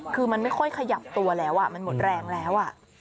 คือมันไม่ค่อยขยับตัวแล้วมันหมดแรงแล้ว